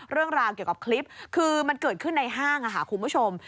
เรื่องราวเกี่ยวกับคลิปคือมันเกิดขึ้นในห้างค่ะคุณผู้ชม